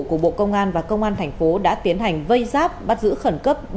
của bộ công an và công an thành phố đã tiến hành vây giáp bắt giữ khẩn cấp